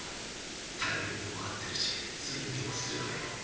タイミングも合ってるしスイングも鋭い。